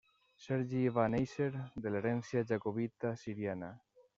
Sergi va néixer de l'herència jacobita siriana.